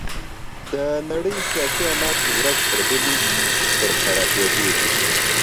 د نړۍ سياسي حالات ورځ تر بلې په خرابيدو دي.